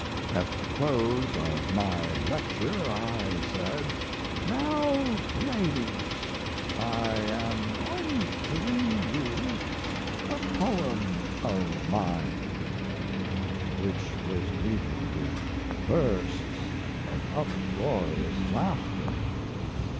At the close of my lecture I said 'Now, ladies, I am going to read you a poem of mine' which was greeted with bursts of uproarious laughter.